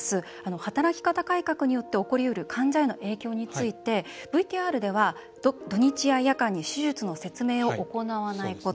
働き方改革によって起こりうる患者への影響についてＶＴＲでは土日や夜間に手術の説明を行わないこと。